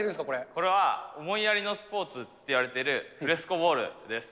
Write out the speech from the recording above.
これは思いやりのスポーツって言われてるフレスコボールです。